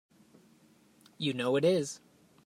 You know it is!